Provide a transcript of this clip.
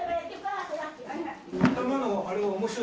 頭のあれは面白いですね